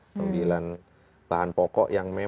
sembilan bahan pokok yang memang